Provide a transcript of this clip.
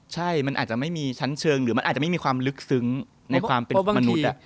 ใช่มันอาจจะไม่มีชั้นเชิงหรือมันอาจจะไม่มีความลึกซึ้งในความเป็นมนุษย์